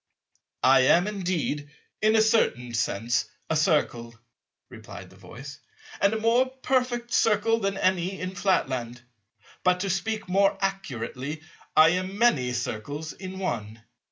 "I am indeed, in a certain sense a Circle," replied the Voice, "and a more perfect Circle than any in Flatland; but to speak more accurately, I am many Circles in one."